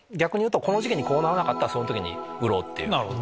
この時期にこうならなかったらその時に売ろう。